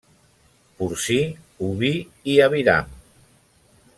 Porcí, oví i aviram.